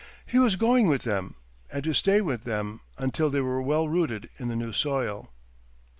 He was going with them, and to stay with them until they were well rooted in the new soil.